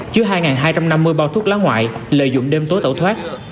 chứa hai hai trăm năm mươi bao thuốc lá ngoại lợi dụng đêm tối tẩu thoát